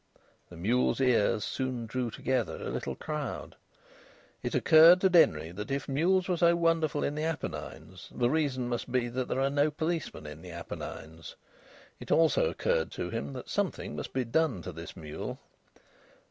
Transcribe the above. The mule's ears soon drew together a little crowd. It occurred to Denry that if mules were so wonderful in the Apennines the reason must be that there are no policemen in the Apennines. It also occurred to him that something must be done to this mule.